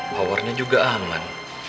powernya juga aman